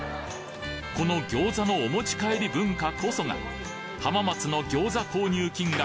この餃子のお持ち帰り文化こそが浜松の餃子購入金額